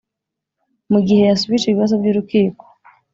mu gihe yasubije ibibazo by'urukiko